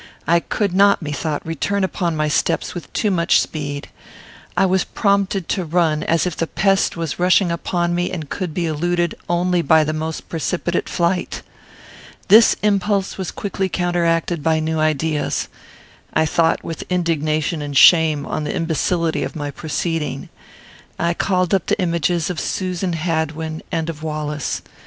I could not, methought, return upon my steps with too much speed. I was prompted to run, as if the pest was rushing upon me and could be eluded only by the most precipitate flight. This impulse was quickly counteracted by new ideas. I thought with indignation and shame on the imbecility of my proceeding. I called up the images of Susan Hadwin, and of Wallace.